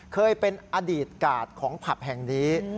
เคยเป็นอดีตกาดของผับแห่งนี้